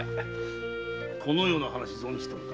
このような話知っておるか？